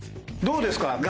どうですか？